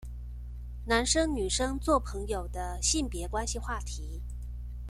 男生女生做朋友的性別關係話題